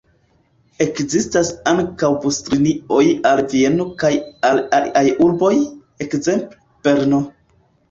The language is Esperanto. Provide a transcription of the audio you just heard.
Ekzistas ankaŭ buslinioj al Vieno kaj al aliaj urboj, ekzemple Brno.